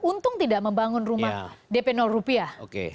untung tidak membangun rumah dp rupiah